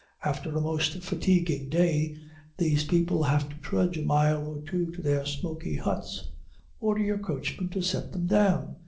After a most fatiguing day, these people have to trudge a mile or two to their smoky huts. Order your coachman to set them down.